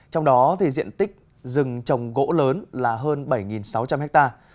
trong đó diện tích rừng trồng gỗ lớn là hơn bảy sáu trăm linh hectare